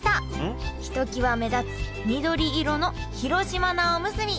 ひときわ目立つ緑色の広島菜おむすび